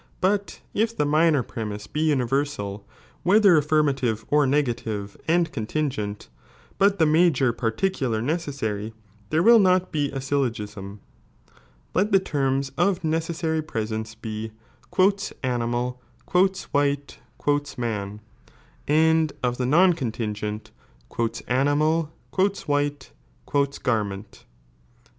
Bat i£ the minor premise be universal, whelher affirm ^ alive or negative and contingent, but the major particular necessary, there will not be a Byllogism, let the tenns of necessary presence be "animal," "white," "man," and of the non contingent " animal," " while," , e„b,p1( 13 1 "garmenl."